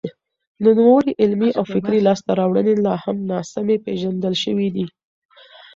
د نوموړي علمي او فکري لاسته راوړنې لا هم ناسمې پېژندل شوې دي.